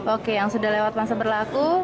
oke yang sudah lewat masa berlaku